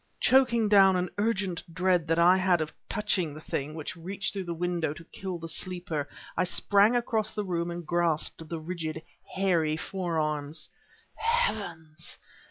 Choking down an urgent dread that I had of touching the thing which reached through the window to kill the sleeper, I sprang across the room and grasped the rigid, hairy forearms. Heavens!